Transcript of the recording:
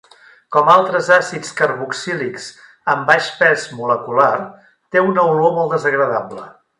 Com altres àcids carboxílics amb baix pes molecular, té una olor molt desagradable.